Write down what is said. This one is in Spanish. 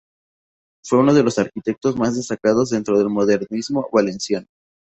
Fue uno de los arquitectos más destacados dentro del modernismo valenciano.